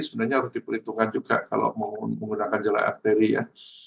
sebenarnya harus diperhitungkan juga kalau menggunakan jalan arteri ya